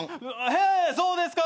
へえそうですか。